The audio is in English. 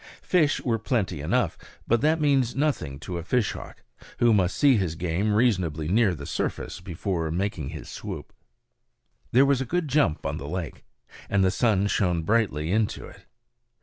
Fish were plenty enough; but that means nothing to a fishhawk, who must see his game reasonably near the surface before making his swoop. There was a good jump on the lake, and the sun shone brightly into it.